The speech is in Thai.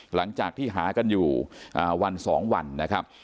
หลังจากที่หากันอยู่วัน๒วันนะครับ